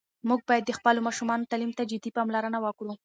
موږ باید د خپلو ماشومانو تعلیم ته جدي پاملرنه وکړو.